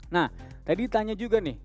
nah tadi ditanya juga nih